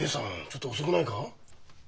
ちょっと遅くないか？